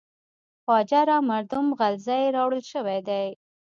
خواجه را مردم غلزی راوړل شوی دی.